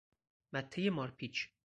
مته مارپیچ